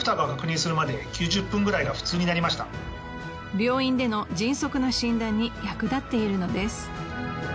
病院での迅速な診断に役立っているのです。